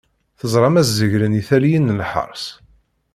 Teẓram ad zeggren i talliyin n lḥers.